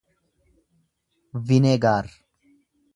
vinegaar